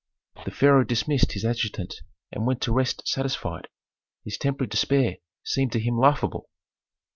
The pharaoh dismissed his adjutant and went to rest satisfied. His temporary despair seemed to him laughable.